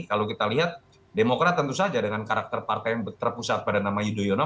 kalau kita lihat demokrat tentu saja dengan karakter partai yang terpusat pada nama yudhoyono